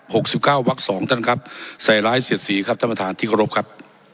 สิบเก้าวักสองท่านครับใส่ร้ายเสียดสีครับท่านประธานที่เคารพครับ